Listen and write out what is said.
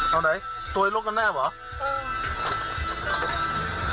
เอาไหนตัวเลือกกันหน้าเหรอ